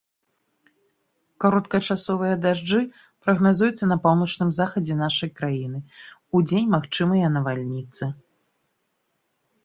Кароткачасовыя дажджы прагназуюцца на паўночным захадзе нашай краіны, удзень магчымыя навальніцы.